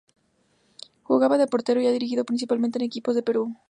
Jugaba de portero y ha dirigido principalmente en equipos de Perú.